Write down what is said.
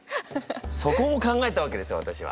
そこも考えたわけですよわたしは。